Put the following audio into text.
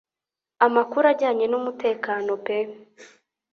amakuru ajyanye n'umutekano pe